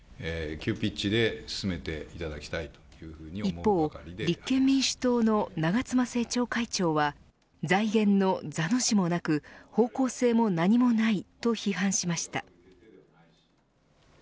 一方、立憲民主党の長妻政調会長は財源のざの字もなく、方向性も何もないと批判しました。